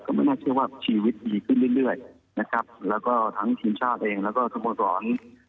ก็ไม่น่าเชื่อว่าชีวิตดีขึ้นเรื่อยและก็ทั้งทีมชาติเองและสมศตรี